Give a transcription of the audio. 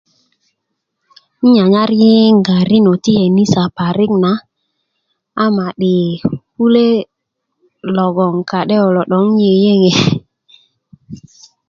nan nyanyar yiyiŋga rinö ti kanisa parikn na a madi' kule' logoŋ kade' kulo 'dok nan yiyiŋi